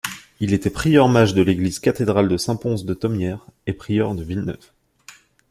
Il était prieur mage de l'église cathédrale de Saint-Pons-de-Thomières et prieur de Villeneuve.